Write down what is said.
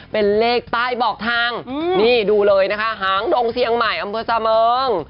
เป็นเลขใต้บอกทางนี่ดูเลยนะคะหางดงเชียงใหม่อำเภอเสมิง